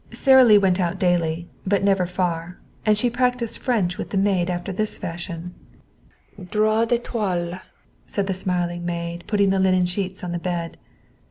Sara Lee went out daily, but never far. And she practiced French with the maid, after this fashion: "Draps de toile," said the smiling maid, putting the linen sheets on the bed.